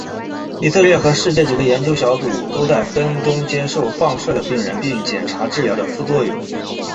以色列和世界几个研究小组都在跟踪接受放射的病人并检查治疗的副作用。